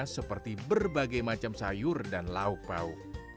seperti berbagai macam sayur dan lauk pau